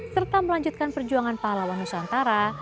serta melanjutkan perjuangan pahlawan nusantara